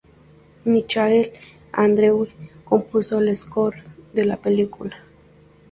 Michael Andrews compuso el "score" de la película.